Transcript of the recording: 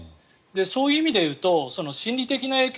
そういう意味でいうと心理的な影響